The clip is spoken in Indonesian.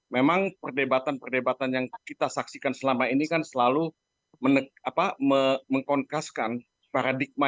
memang perdebatan perdebatan yang kita saksikan selama ini kan selalu mengkongkaskan paradigma